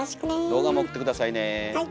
動画も送って下さいね。